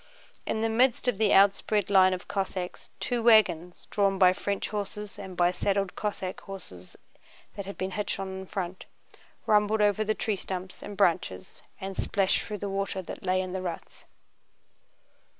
In the midst of the outspread line of Cossacks two wagons, drawn by French horses and by saddled Cossack horses that had been hitched on in front, rumbled over the tree stumps and branches and splashed through the water that lay in the ruts.